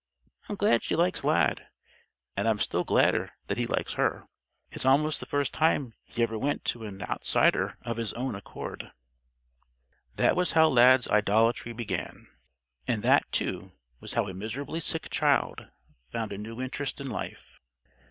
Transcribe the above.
I'm glad she likes Lad. And I'm still gladder that he likes her. It's almost the first time he ever went to an outsider of his own accord." That was how Lad's idolatry began. And that, too, was how a miserably sick child found a new interest in life.